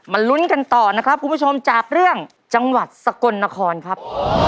ลุ้นกันต่อนะครับคุณผู้ชมจากเรื่องจังหวัดสกลนครครับ